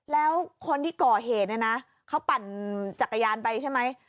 แล้วคนที่ก่อเหตุเนี่ยนะเขาปั่นจักรยานไปใช่ไหม